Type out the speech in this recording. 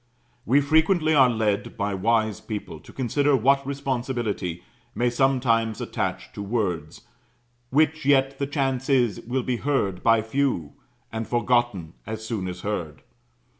We frequently are led, by wise people, to consider what responsibility may sometimes attach to words, which yet, the chance is, will be heard by few, and forgotten as soon as heard.